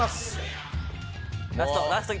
ラスト。